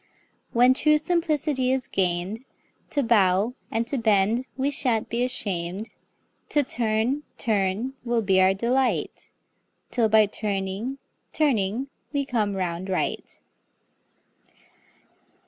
When true simplicity is gain'd, To bow and to bend we shan't be asham'd, To turn, turn will be our delight 'Till by turning, turning we come round right.